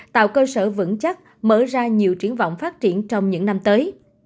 tạo cơ sở vững chắc mở ra nhiều triển vọng phát triển trong những năm tới